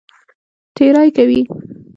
تېری کوي.